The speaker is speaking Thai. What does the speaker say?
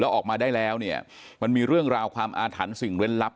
ออกมาได้แล้วเนี่ยมันมีเรื่องราวความอาถรรพ์สิ่งเล่นลับ